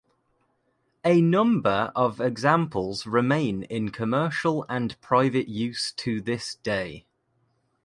A number of examples remain in commercial and private use to this day.